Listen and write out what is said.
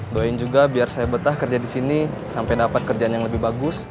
doain juga biar saya betah kerja di sini sampai dapat kerjaan yang lebih bagus